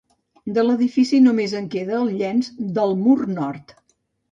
De l'edifici només en queda el llenç del mur nord.